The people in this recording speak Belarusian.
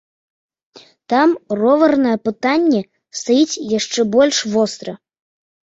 Там роварнае пытанне стаіць яшчэ больш востра.